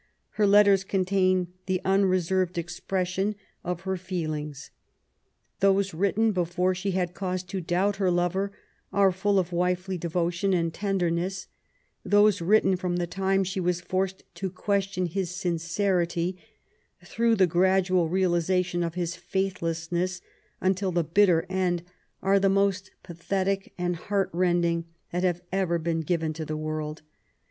Her letters contain the unreserved elpression of her LIFE WITH IMLAY. 129 feelings. Those written before she had cause to doubt her lover are full of wifely devotion and tenderness ; those written from the time she was forced to question his sincerity, through the gradual realization of his faithlessness^ until the bitter end, are the most pathetic and heart rending that have ever been given to the world.